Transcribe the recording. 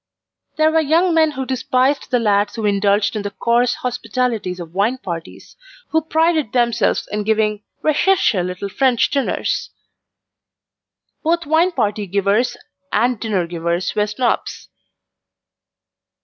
There were young men who despised the lads who indulged in the coarse hospitalities of wine parties, who prided themselves in giving RECHERCHE little French dinners. Both wine party givers and dinner givers were Snobs.